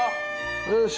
よし。